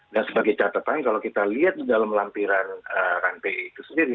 dan sebagai catatannya kalau kita lihat di dalam lampiran ranpe itu sendiri